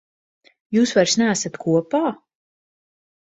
Jūs vairs neesat kopā?